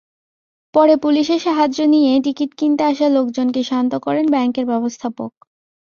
পরে পুলিশের সাহায্য নিয়ে টিকিট কিনতে আসা লোকজনকে শান্ত করেন ব্যাংকের ব্যবস্থাপক।